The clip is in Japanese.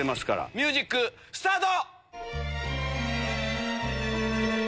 ミュージックスタート！